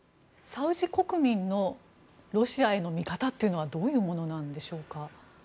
サウジ国民のロシアへの見方はどういうものなんでしょうか。